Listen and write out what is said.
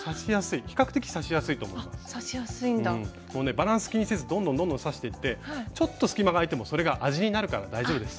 バランス気にせずどんどんどんどん刺していってちょっと隙間があいてもそれが味になるから大丈夫です。